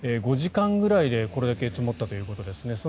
５時間くらいでこれだけ積もったということですね。